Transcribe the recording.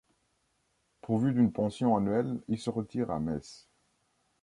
Pourvu d'une pension annuelle, il se retire à Metz.